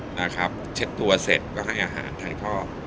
นะครับเช็ดตัวเสร็จก็ให้อาหารถ่ายทอด